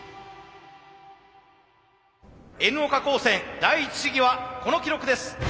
Ｎ岡高専第一試技はこの記録です。